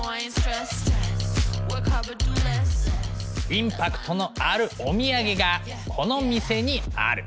インパクトのあるお土産がこの店にある。